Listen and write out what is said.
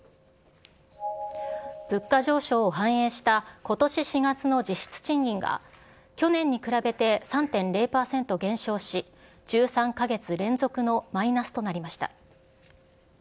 物価上昇を反映したことし４月の実質賃金が去年に比べて３．０％減少し、１３か月連続のマイナスとなりました。